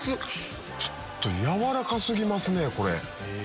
ちょっと軟らか過ぎますねこれ。